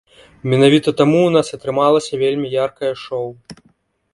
Менавіта таму ў нас атрымалася вельмі яркае шоў.